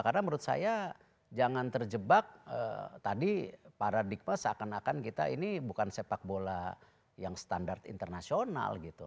karena menurut saya jangan terjebak tadi paradigma seakan akan kita ini bukan sepak bola yang standar internasional gitu